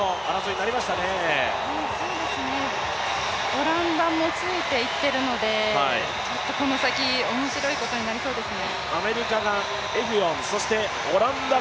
オランダもついていっているのでこの先、面白いことになりそうですね。